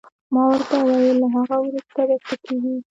ما ورته وویل: له هغه وروسته به څه کېږي؟